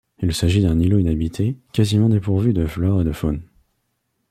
Il s'agit d'un îlot inhabité, quasiment dépourvu de flore et de faune.